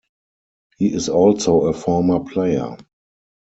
He is also a former player.